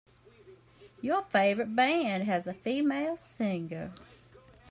Your favorite band has a female singer.